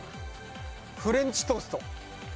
フレンチトースト。